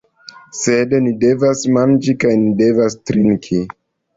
Sed ni devas manĝi kaj ni devas trinki.